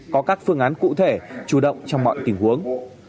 có các phương án cụ thể chủ động trong mọi tình huống